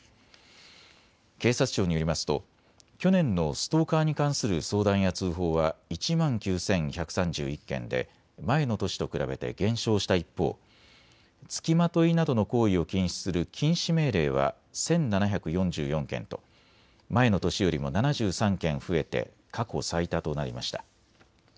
警察庁によりますと去年のストーカーに関する相談や通報は１万９１３１件で前の年と比べて減少した一方、付きまといなどの行為を禁止する禁止命令は１７４４件と前の年よりも７３件増えて過去最多となりました。